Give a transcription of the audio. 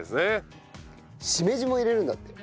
しめじも入れるんだって。